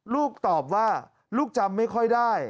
ลูกตอบว่าลูกจำไม่ค่อยได้